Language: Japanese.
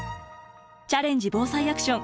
チャレンジ防災アクション。